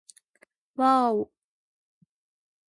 わぁお